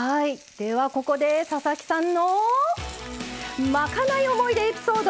ここで、佐々木さんのまかない思い出エピソード！